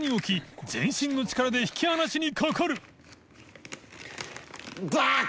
肪屬全身の力で引き離しにかかる春日）だっ！